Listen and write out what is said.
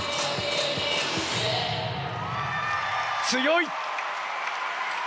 強い！